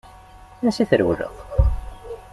Ansa i trewleḍ?